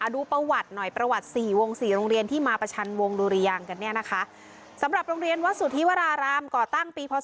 ดูประวัติหน่อยประวัติ๔วง๔โรงเรียนที่มาประชันวงดุรยางกันเนี่ยนะคะสำหรับโรงเรียนวัดสุธิวรารามก่อตั้งปีพศ